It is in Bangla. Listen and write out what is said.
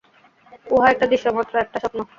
উহা একটা দৃশ্য মাত্র, একটা স্বপ্ন।